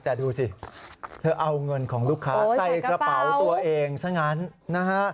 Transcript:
แต่ดูสิเธอเอาเงินของลูกค้าใส่กระเป๋าตัวเองซะงั้นนะฮะ